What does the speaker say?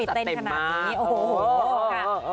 เต้นขนาดนี้โอ้โหค่ะ